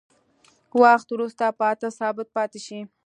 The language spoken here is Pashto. وخت وروسته په اته ثابت پاتې شي.